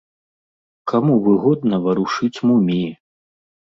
Каму выгодна варушыць муміі?